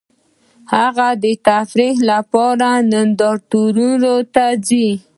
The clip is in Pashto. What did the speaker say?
هغه د تفریح لپاره نندارتونونو ته ځي